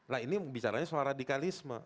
nah ini bicaranya soal radikalisme